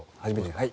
はい。